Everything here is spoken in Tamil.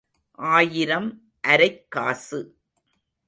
ஆயிரம் அரைக் காசு.